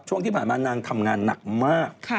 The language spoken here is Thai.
ช่วงที่ผ่านมานางทำงานหนักมาก